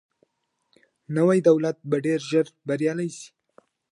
نوی دولت به ډیر ژر بریالی سي.